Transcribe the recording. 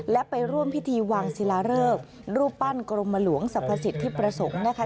และไปร่วมพิธีวางศิลาเริกรูปปั้นกรมหลวงสรรพสิทธิประสงค์นะคะ